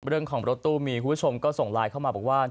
เรื่องของรถตู้มีคุณผู้ชมก็ส่งไลน์เข้ามาบอกว่า